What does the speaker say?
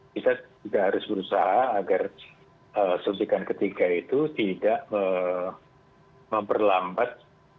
kita juga harus berusaha agar suntikan ketiga itu tidak memperlambat